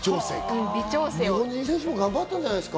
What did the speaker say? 日本人選手も頑張ったんじゃないですか？